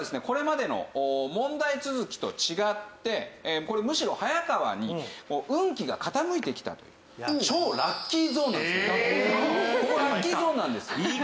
これまでの問題続きと違ってこれむしろ早川に運気が傾いてきたという超ラッキーゾーンなんですよ